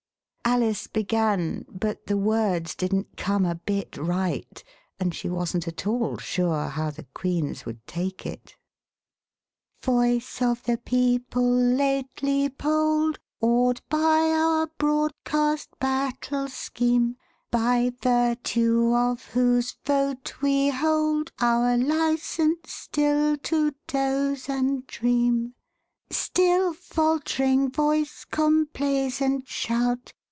Alice began, but the words didn't come a bit right, and she wasn't at all sure how the Queens would take it : "Voice of the People, lately polled, Awed by our broad cast battle scheme, By virtue of whose vote we hold Our licence still to doze and dream, Still, faltering Voice, complaisant shout.